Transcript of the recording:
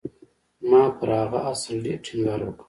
ما پر هغه اصل ډېر ټينګار وکړ.